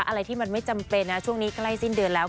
อะไรที่มันไม่จำเป็นนะช่วงนี้ใกล้สิ้นเดือนแล้ว